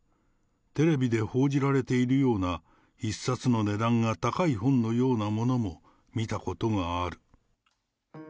テレビで報じられているような、一冊の値段が高い本のようなものも見たことがある。